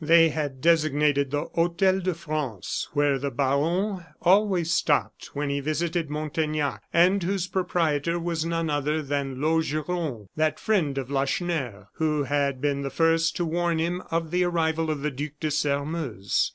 They had designated the Hotel de France, where the baron always stopped when he visited Montaignac, and whose proprietor was none other than Laugeron, that friend of Lacheneur, who had been the first to warn him of the arrival of the Duc de Sairmeuse.